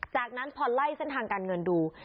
จากนั้นพอไล่เส้นทางการเงินดู